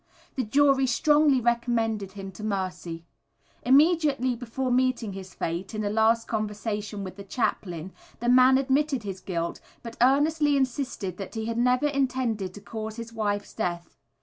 The jury strongly recommended him to mercy. Immediately before meeting his fate, in a last conversation with the chaplain, the man admitted his guilt but earnestly insisted that he had never intended to cause his wife's death.